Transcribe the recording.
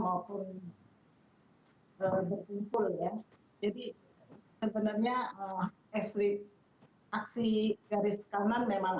berbebasan berdekresi maupun beragama maupun berkumpul ya